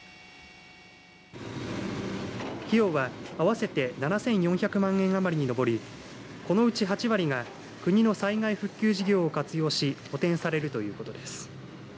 費用は合わせて７４００万円余りに上りこのうち８割が国の災害復旧事業を活用し補填されるということです。